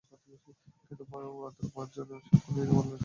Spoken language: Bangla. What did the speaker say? কিন্তু মাত্র পাঁচজনের সাক্ষ্য নিয়ে মামলার সাক্ষ্য কার্যক্রম শেষ করেন আদালত।